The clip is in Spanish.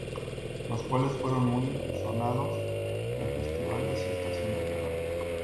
Los cuales fueron muy sonados en festivales y estaciones de radio.